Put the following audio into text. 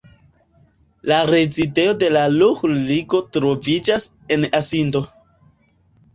La rezidejo de la Ruhr-Ligo troviĝas en Asindo.